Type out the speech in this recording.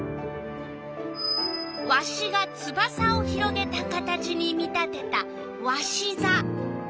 わしがつばさを広げた形に見立てたわしざ。